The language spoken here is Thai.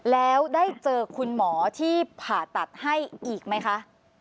แล้วได้เจอคุณหมอที่ผ่าตัดให้อีกไหมคะ